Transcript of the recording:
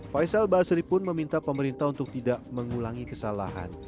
faisal basri pun meminta pemerintah untuk tidak mengulangi kesalahan